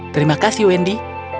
terima kasih wendy